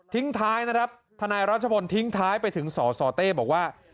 ทิ้งท้ายนะครับทรบทิ้งท้ายไปถึงสสเต้บอกว่า